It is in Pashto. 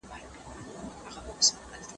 عدالت د هر څه نه مخکي دی.